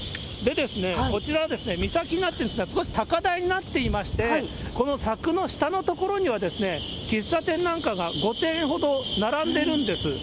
こちらは岬になっているんですが、少し高台になっていまして、この柵の下の所には、喫茶店なんかが５店ほど並んでるんです。